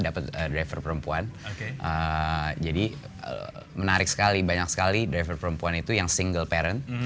dapat driver perempuan jadi menarik sekali banyak sekali driver perempuan itu yang single parent